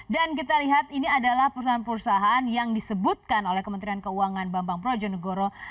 dan kita lihat ini adalah perusahaan perusahaan yang disebutkan oleh kementerian keuangan bambang projonegoro